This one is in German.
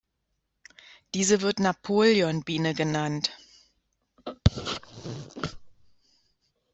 Diese wird Napoleon-Biene genannt.